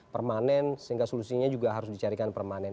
permanen sehingga solusinya juga harus dicarikan permanen